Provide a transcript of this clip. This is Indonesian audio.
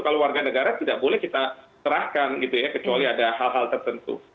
kalau warga negara tidak boleh kita serahkan gitu ya kecuali ada hal hal tertentu